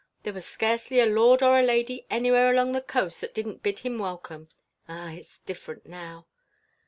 There was scarcely a lord or a lady anywhere along the coast that didn't bid him welcome. Ah! it's different now."